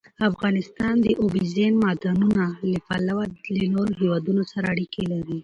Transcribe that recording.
افغانستان د اوبزین معدنونه له پلوه له نورو هېوادونو سره اړیکې لري.